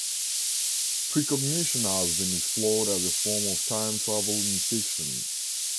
Precognition has been explored as a form of time travel in fiction.